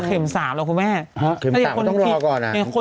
เข็ม๓เราต้องรอก่อน